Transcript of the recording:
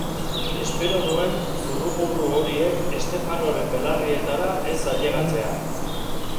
Espero nuen zurrumurru horiek Stefanoren belarrietara ez ailegatzea.